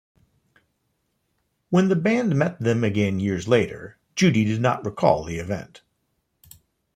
When the band met them again years later, Judy did not recall the event.